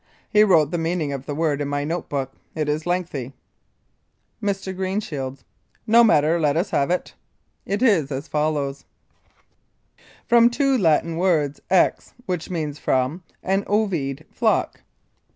He wrote the meaning of the word in my note book. It is lengthy." Mr. GREENSHIELDS: No matter, let us have it. It is as follows : "From two Latin words ex, which means from, and ovede, flock.